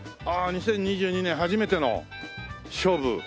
２０２２年初めての勝負。